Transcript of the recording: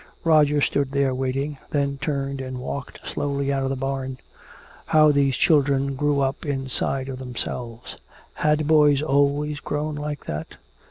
Roger stood there waiting, then turned and walked slowly out of the barn. How these children grew up inside of themselves. Had boys always grown like that?